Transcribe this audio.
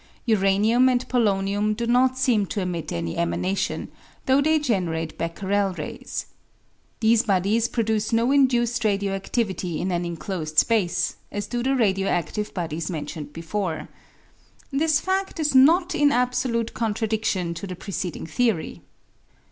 Uranium and polonium do not seem to emit any emanation, though they generate Becquerel rays. These bodies pro duce no induced radio adivity in an enclosed space, as do the radio adive bodies mentioned before. This fad is not in absolute contradidion to the preceding theory.